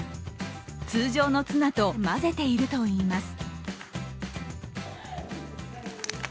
通常のツナと混ぜているといいます。